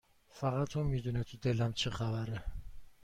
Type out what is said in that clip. فقط اون میدونه تو دلم چه خبره